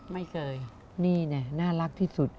ไม่เคยนี่ไงน่ารักที่สุด